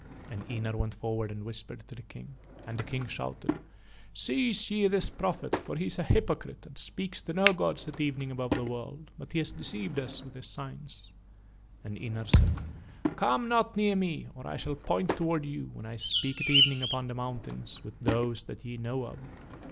And Ynar went forward and whispered to the King. And the King shouted: "Seize ye this prophet for he is a hypocrite and speaks to no gods at evening above the world, but has deceived us with his signs." And Ynar said: "Come not near me or I shall point towards you when I speak at evening upon the mountain with Those that ye know of."